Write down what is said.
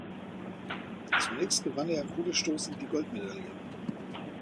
Zunächst gewann er im Kugelstoßen die Goldmedaille.